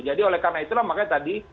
jadi oleh karena itulah makanya tadi